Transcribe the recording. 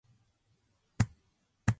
サンガ―法について教えてほしい